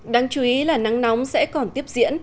đáng chú ý là nắng nóng sẽ còn tiếp diễn